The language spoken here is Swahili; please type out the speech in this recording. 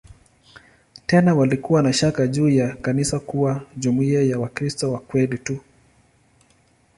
Tena walikuwa na shaka juu ya kanisa kuwa jumuiya ya "Wakristo wa kweli tu".